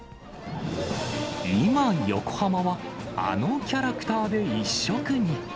今、横浜はあのキャラクターで一色に。